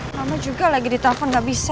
lama juga lagi di telpon gak bisa